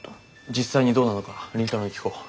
実際にどうなのか倫太郎に聞こう。